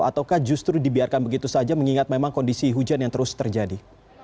ataukah justru dibiarkan begitu saja mengingat memang kondisi hujan yang terus terjadi